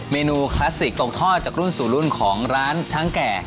เมนูคลาสสิกตกทอดจากรุ่นสู่รุ่นของร้านช้างแก่